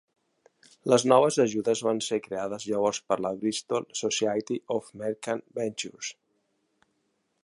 Les noves ajudes van ser creades llavors per la Bristol Society of Merchant Ventures.